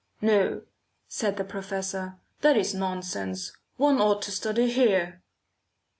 "No," said the professor, "that is nonsense; one ought to study here."